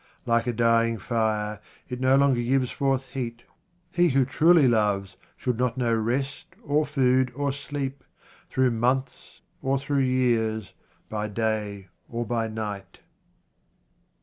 Like a dying fire it no longer gives forth heat. He who truly loves should not know rest, or food, or sleep, through months or through years, by day or by night.